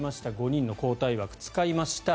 ５人の交代枠を使いました。